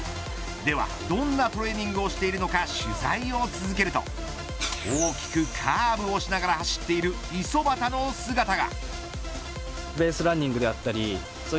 では、どんなトレーニングをしているのか取材を続けると大きくカーブをしながら走っている五十幡の姿が。